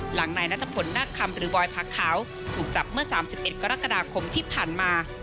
นายนัทพลนักคำหรือบอยพักขาวถูกจับเมื่อ๓๑กรกฎาคมที่ผ่านมา